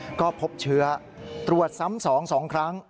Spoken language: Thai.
ทางเรือนจำก็พบเชื้อตรวจซ้ำสองสองครั้ง